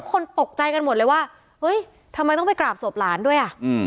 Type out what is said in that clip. คนตกใจกันหมดเลยว่าเฮ้ยทำไมต้องไปกราบศพหลานด้วยอ่ะอืม